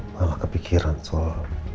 malah kepikiran soal